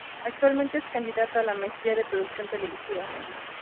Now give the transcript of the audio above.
Actualmente es candidato a la Maestría de Producción Televisiva.